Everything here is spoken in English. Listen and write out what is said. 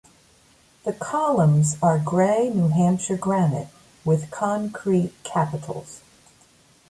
The columns are gray New Hampshire granite with concrete capitals.